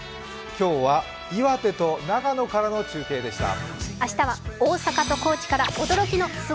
今日は岩手と長野からの中継でした。